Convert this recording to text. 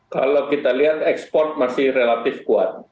kalau kita lihat ekspor masih relatif kuat